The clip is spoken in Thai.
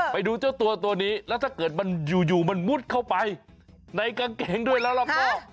ไปดูเจ้าตัวตัวนี้แล้วถ้าเกิดมันอยู่มันมุดเข้าไปในกางเกงด้วยแล้วก็